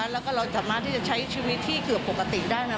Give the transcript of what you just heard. แล้วก็เราสามารถที่จะใช้ชีวิตที่เกือบปกติได้นะ